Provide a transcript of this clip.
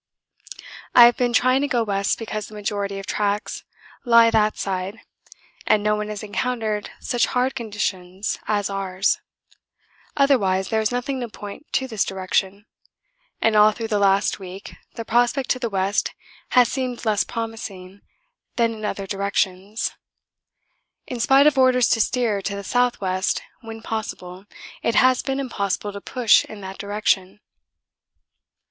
I have been trying to go west because the majority of tracks lie that side and no one has encountered such hard conditions as ours otherwise there is nothing to point to this direction, and all through the last week the prospect to the west has seemed less promising than in other directions; in spite of orders to steer to the S.W. when possible it has been impossible to push in that direction.